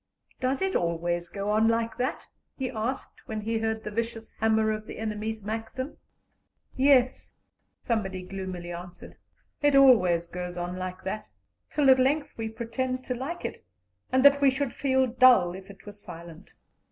"Does it always go on like that?" he asked, when he heard the vicious hammer of the enemy's Maxim. "Yes," somebody gloomily answered, "it always goes on like that, till at length we pretend to like it, and that we should feel dull if it were silent."